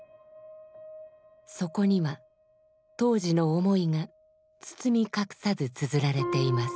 そこには当時の思いが包み隠さず綴られています。